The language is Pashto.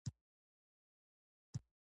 نوې نوي مړي يې کړي وو.